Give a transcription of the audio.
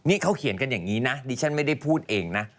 นี่เขาเขียนกันอย่างนี้นะดิฉันไม่ได้พูดเองนะ